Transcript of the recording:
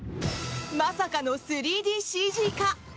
まさかの３ＤＣＧ化！